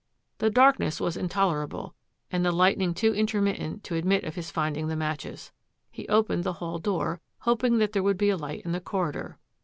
The darkness was intolerable and the lightning too intermittent to admit of his finding the matches. He opened the hall door, hoping that there would be a light in the corridor.